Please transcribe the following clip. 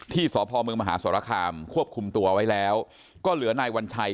สพเมืองมหาสรคามควบคุมตัวไว้แล้วก็เหลือนายวัญชัย